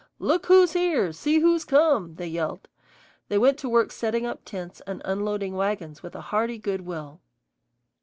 "Look who's here! See who's come!" they yelled. They went to work setting up tents and unloading wagons with a hearty good will.